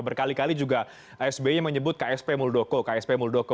berkali kali juga sbi menyebut ksp muldoko